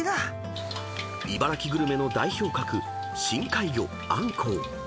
［茨城グルメの代表格深海魚アンコウ］